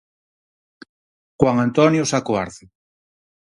Juan Antonio Saco Arce.